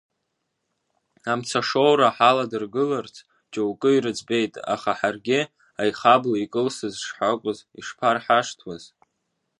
Амцашоура ҳаладыргыларц џьоукы ирыӡбеит, аха ҳаргьы аихаблы икылсыз шҳакәыз шԥархашҭуаз?